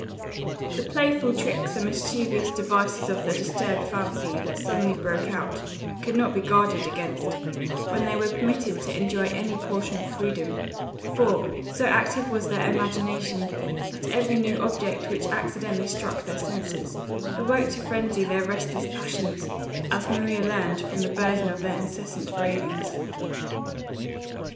The playful tricks and mischievous devices of their disturbed fancy, that suddenly broke out, could not be guarded against, when they were permitted to enjoy any portion of freedom; for, so active was their imagination, that every new object which accidentally struck their senses, awoke to phrenzy their restless passions; as Maria learned from the burden of their incessant ravings.